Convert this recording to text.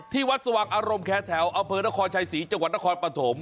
ที่วัดสวัสดิ์อารมณ์แค้นแถวอเภิรขอร์ชัยศรีจังหวัดนครปะถม